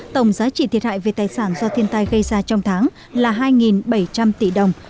tổng giá trị thiệt hại về tài sản do thiên tai gây ra trong tháng là hai bảy trăm linh tỷ đồng